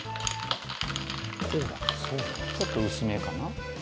ちょっと薄めかな？